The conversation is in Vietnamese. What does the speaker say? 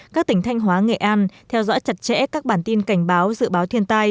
các tỉnh thanh hóa nghệ an theo dõi chặt chẽ các bản tin cảnh báo dự báo thiên tai